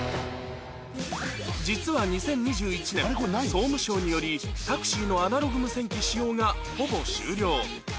実は２０２１年総務省によりタクシーのアナログ無線機使用がほぼ終了